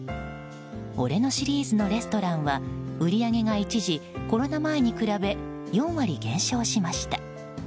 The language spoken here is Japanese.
俺のシリーズのレストランは売り上げが一時コロナ前に比べ４割減少しました。